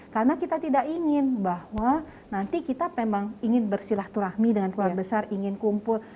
karena kita tidak ingin bahwa nanti kita memang ingin bersilah turahmi dengan keluar besar ingin kumpul